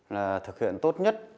là thực hiện tốt nhất